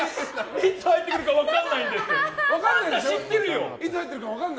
いつ入ってくるか分からないんだ？